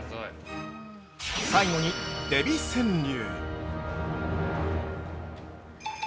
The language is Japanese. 最後に、デヴィ川柳。